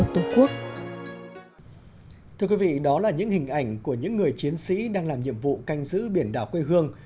thưa quý vị đó là những hình ảnh của những người chiến sĩ đang làm nhiệm vụ canh giữ biển đảo quê hương